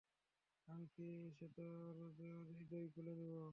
আমি ফিরে এসে তোর হৃদয় খুলে নিবো।